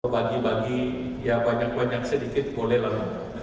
bagi bagi ya banyak banyak sedikit bolehlah